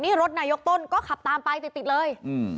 นี่รถนายกต้นก็ขับตามไปติดติดเลยอืม